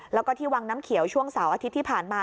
แล้วก็ที่วังน้ำเขียวช่วงเสาร์อาทิตย์ที่ผ่านมา